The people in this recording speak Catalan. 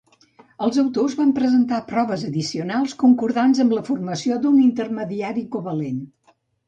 Els autors van presentar proves addicionals concordants amb la formació d'un intermediari covalent.